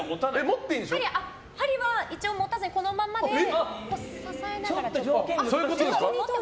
一応、持たずにこのままで支えながら。